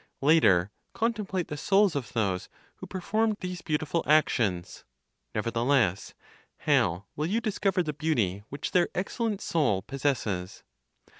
Later contemplate the souls of those who perform these beautiful actions. Nevertheless, how will you discover the beauty which their excellent soul possesses?